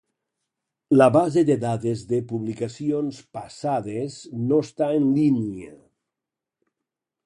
La base de dades de publicacions passades no està en línia.